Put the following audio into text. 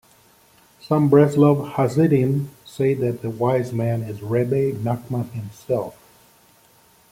Some Breslov Hasidim say that the "wise man" is Rebbe Nachman, himself.